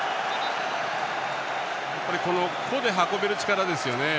個で運べる力ですよね